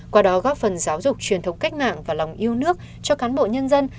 qua đó góp phần giáo dục truyền thống cách mạng và lòng yêu nước cho cán bộ nhân dân